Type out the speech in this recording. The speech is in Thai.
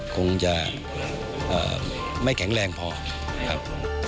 คงจะไม่แข็งแรงพอครับ